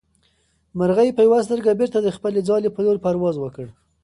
مرغۍ په یوه سترګه بېرته د خپلې ځالې په لور پرواز وکړ.